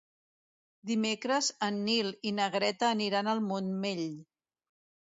Dimecres en Nil i na Greta aniran al Montmell.